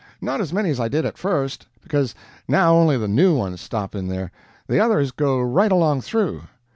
Not as many as I did at first, because now only the new ones stop in there the others go right along through.